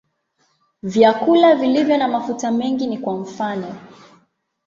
Vyakula vilivyo na mafuta mengi ni kwa mfano.